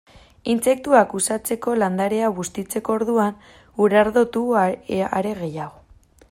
Intsektuak uxatzeko landarea bustitzeko orduan, urardotu are gehiago.